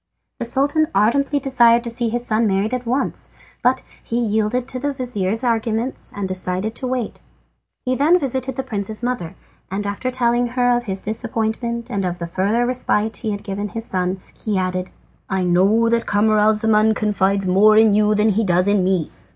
The Sultan ardently desired to see his son married at once, but he yielded to the vizir's arguments and decided to wait. He then visited the prince's mother, and after telling her of his disappointment and of the further respite he had given his son, he added: "I know that Camaralzaman confides more in you than he does in me.